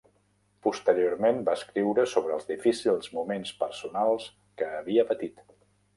Posteriorment va escriure sobre els difícils moments personals que havia patit.